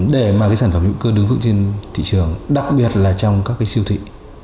để mà cái sản phẩm hữu cơ đứng vững trên thị trường đặc biệt là trong các cái siêu thị